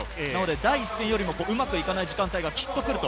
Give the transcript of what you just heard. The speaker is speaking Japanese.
第１戦よりもうまくいかない時間があると。